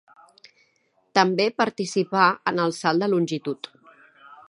També participà en el salt de longitud.